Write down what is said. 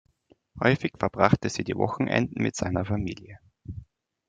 Häufig verbrachte sie die Wochenenden mit seiner Familie.